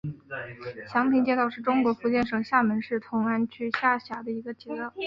祥平街道是中国福建省厦门市同安区下辖的一个街道。